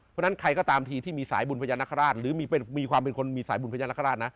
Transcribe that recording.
เพราะฉะนั้นใครก็ตามทีที่มีสายบุญพญานาคาราชหรือมีความเป็นคนมีสายบุญพญานาคาราชนะ